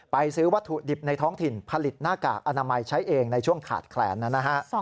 ซื้อวัตถุดิบในท้องถิ่นผลิตหน้ากากอนามัยใช้เองในช่วงขาดแคลนนะฮะ